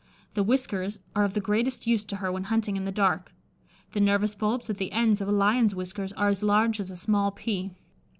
The whiskers are of the greatest use to her when hunting in the dark. The nervous bulbs at the ends of a lion's whiskers are as large as a small pea.